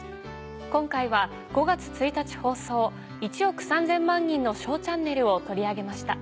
今回は５月１日放送『１億３０００万人のＳＨＯＷチャンネル』を取り上げました。